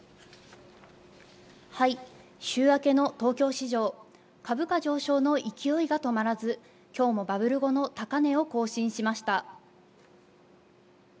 はい、週明けの東京市場、株価上昇の勢いが止まらず、きょうもバブル後の高値を更新しました。